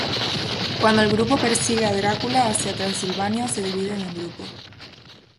Cuando el grupo persigue a Drácula hacia Transilvania, se dividen en grupos.